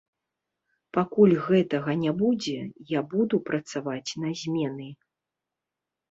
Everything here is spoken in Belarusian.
Пакуль гэтага не будзе, я буду працаваць на змены.